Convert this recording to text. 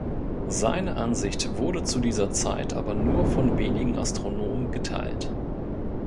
Seine Ansicht wurde zu dieser Zeit aber nur von wenigen Astronomen geteilt.